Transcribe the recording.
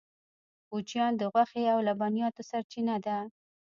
کوچیان د غوښې او لبنیاتو سرچینه ده